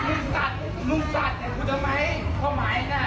ดูดีกว่ามันไข่แขกจากอย่างนี้